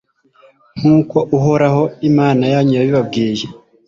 nk'uko uhoraho, imana yanyu, yabibabwiye